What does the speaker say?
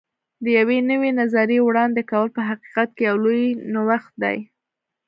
د یوې نوې نظریې وړاندې کول په حقیقت کې یو لوی نوښت دی.